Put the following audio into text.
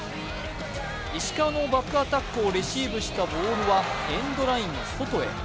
石川のバックアタックをレシーブしたボールはエンドラインの外へ。